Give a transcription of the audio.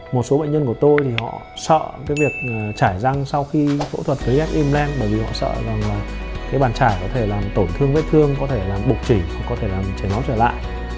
một số bệnh nhân của tôi thì họ sợ cái việc chảy răng sau khi phẫu thuật phế ép im len bởi vì họ sợ rằng là cái bàn chảy có thể làm tổn thương vết thương có thể làm bục chỉ có thể làm chảy máu trở lại